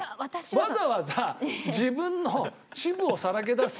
わざわざ自分の恥部をさらけ出すような。